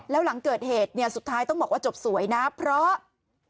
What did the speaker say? แล้วหลังเกิดเหตุเนี่ยสุดท้ายต้องบอกว่าจบสวยนะเพราะ